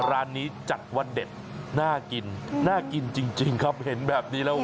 ร้านนี้จัดว่าเด็ดน่ากินน่ากินจริงครับเห็นแบบนี้แล้ว